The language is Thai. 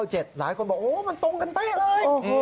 หลายคนบอกอ๋อมันตรงกันไปเลย